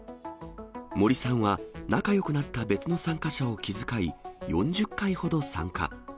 モリさんは、仲よくなった別の参加者を気遣い、４０回ほど参加。